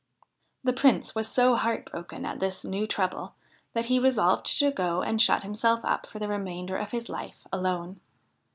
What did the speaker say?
The Prince was so heart broken at this new trouble that he resolved to go and shut himself up for the remainder of his life, alone.